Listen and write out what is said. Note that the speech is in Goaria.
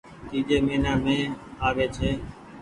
تيجي مهينا مينٚ آوي ڇي